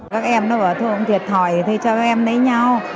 các em nó bảo thôi ông thiệt thòi thì cho các em lấy nhau